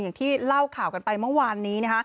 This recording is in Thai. อย่างที่เล่าข่าวกันไปเมื่อวานนี้